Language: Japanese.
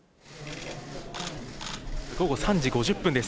午後３時５０分です。